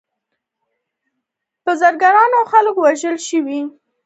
په زرګونو خلک ووژل شول او زموږ ژوند ناممکن ښکاري